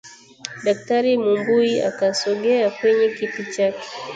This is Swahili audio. Daktari Mumbui akasogea kwenye kiti chake